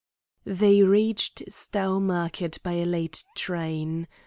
They reached Stowmarket by a late train.